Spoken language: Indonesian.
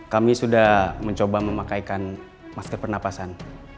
kami sudah mencoba memakaikan masker pernapasan